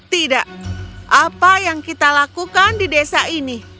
tidak apa yang kita lakukan di desa ini